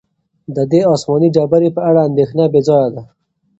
د دې آسماني ډبرې په اړه اندېښنه بې ځایه ده.